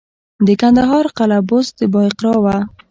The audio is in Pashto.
د کندهار قلعه بست د بایقرا وه